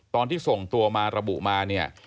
ตอนที่ส่งตัวมาระบุมา